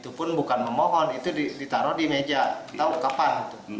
itu pun bukan memohon itu ditaruh di meja tahu kapan